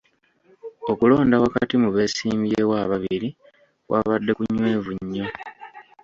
Okulonda wakati mu beesimbyewo ababiri kwabadde kunywevu nnyo.